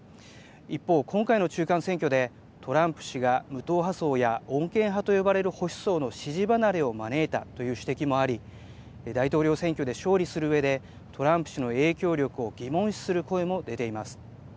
一方、今回の中間選挙でトランプ氏が無党派層や穏健派と呼ばれる保守層の支持離れを招いたという指摘もあり大統領選挙で勝利するうえでトランプ氏の影響力を疑問視する声も出ています。